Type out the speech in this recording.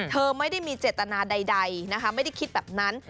เธอไม่ได้มีเจตนาใดนะคะไม่ได้คิดแบบนั้น